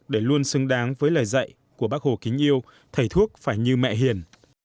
để luôn xứng đáng với lời dạy của bác hồ kính yêu thầy thuốc phải như mẹ hiền